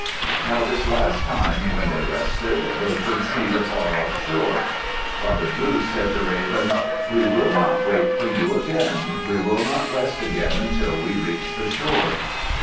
Now this last time when they rested, they could see the far off shore. Father Goose said to Raven, "We will not wait for you again. We will not rest again until we reach the shore."